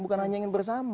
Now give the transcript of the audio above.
bukan hanya ingin bersama